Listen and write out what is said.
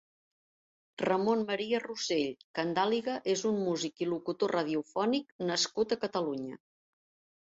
Ramon Maria Rosell Candàliga és un músic i locutor radiofònic nascut a Catalunya.